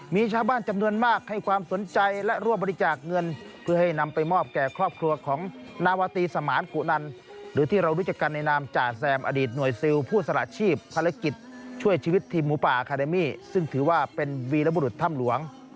มีชาวบ้านจำนวนมากให้ความสนใจและรวบบริจาคเงิน